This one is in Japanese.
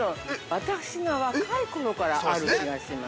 私が若いころからある気がします。